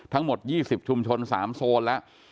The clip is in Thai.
ทั้งหมด๒๐ชุมชน๓โซนแล้ว